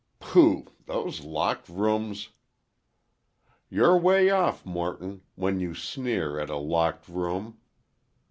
"Pooh! those locked rooms—" "You're 'way off, Morton, when you sneer at a 'locked room.